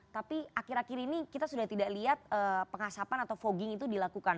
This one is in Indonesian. tapi akhir akhir ini kita sudah tidak lihat pengasapan atau fogging itu dilakukan